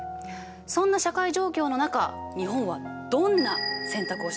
そんな社会状況の中日本はどんな選択をしたのか？